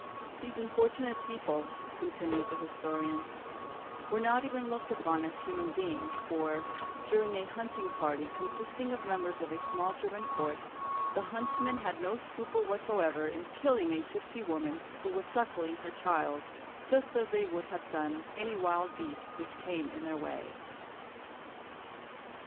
These unfortunate people," continues the historian, "were not even looked upon as human beings, for, during a hunting party, consisting of members of a small German court, the huntsmen had no scruple whatever in killing a gipsy woman who was suckling her child, just as they would have done any wild beast which came in their way."